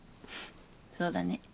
そうだね。